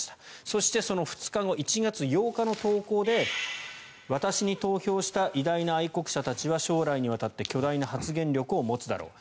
そして、その２日後１月８日の投稿で私に投票した偉大な愛国者たちは将来にわたって巨大な発言力を持つだろう